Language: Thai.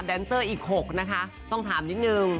แนนเซอร์อีก๖นะคะต้องถามนิดนึง